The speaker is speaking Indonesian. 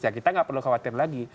ya kita nggak perlu khawatir lagi